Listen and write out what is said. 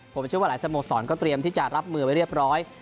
ผมเชื่อว่าหลายสโมสรก็เตรียมที่จะรับมือไว้เรียบร้อย